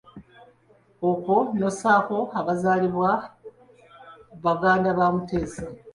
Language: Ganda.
Okwo n'ossaako abaazaalibwa baganda ba Mutesa.